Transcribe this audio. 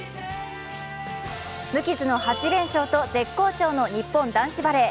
無傷の８連勝と絶好調の日本男子バレー。